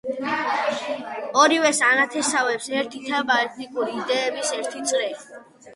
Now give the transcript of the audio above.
ორივეს ანათესავებს ერთი თემა, ეთიკური იდეების ერთი წრე.